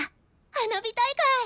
花火大会。